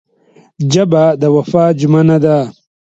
ژبه د وفا ژمنه ده